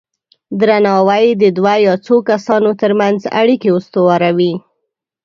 درناوی د دوه یا څو کسانو ترمنځ اړیکې استواروي.